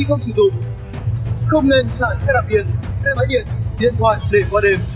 không nên dùng sản phẩm đặt điện xe máy điện điện thoại để qua đêm